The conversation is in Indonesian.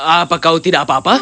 apa kau tidak apa apa